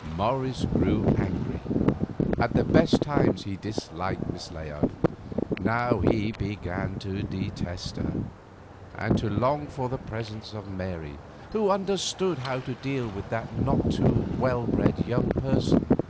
Morris grew angry. At the best of times he disliked Miss Layard. Now he began to detest her, and to long for the presence of Mary, who understood how to deal with that not too well bred young person.